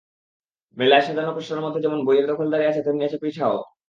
মেলায় সাজানো পসরার মধ্যে যেমন বইয়ের দখলদারি আছে, তেমনি আছে পিঠাও।